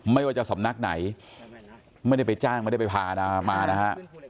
ไม่ว่าจะสำนักไหนไม่ได้ไปจ้างไม่ได้ไปพานะฮะมานะฮะ